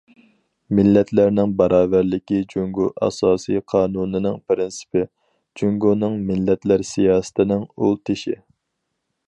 مىللەتلەرنىڭ باراۋەرلىكى جۇڭگو ئاساسىي قانۇنىنىڭ پىرىنسىپى، جۇڭگونىڭ مىللەتلەر سىياسىتىنىڭ ئۇل تېشى.